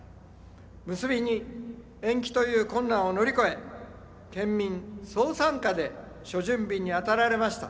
結びに延期という困難を乗り越え県民総参加で諸準備に当たられました